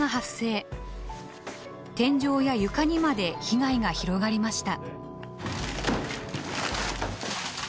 天井や床にまで被害が広がりました。